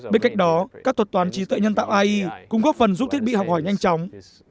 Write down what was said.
bên cạnh đó các thuật toán trí tuệ nhân tạo ai cũng góp phần giúp thiết bị học hỏi nhanh chóng